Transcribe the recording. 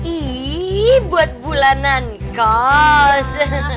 iii buat bulanan kos